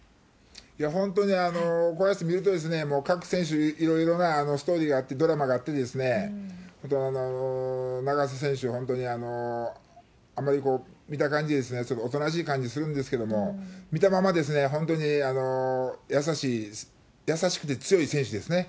本当にこうやって見ると、各選手、いろいろなストーリーがあって、ドラマがあって、あと、永瀬選手、本当にあまり、見た感じちょっとおとなしい感じするんですけど、見たまま本当に優しい、優しくて強い選手ですね。